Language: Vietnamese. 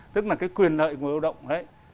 tức là cái quyền lợi người lao động đấy